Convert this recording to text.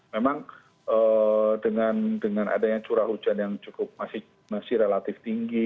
memang dengan adanya curah hujan yang cukup masih relatif tinggi